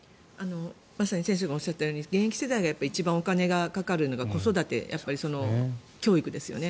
まさに先生がおっしゃったように現役世代が一番お金がかかるのが子育て教育ですよね。